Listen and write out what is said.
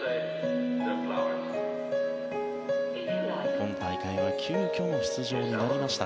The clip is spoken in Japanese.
今大会は急きょの出場になりました。